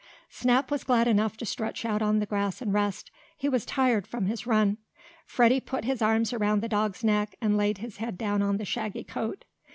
Snap was glad enough to stretch out on the grass and rest. He was tired from his run. Freddie put his arms around the dog's neck, and laid his head down on the shaggy coat.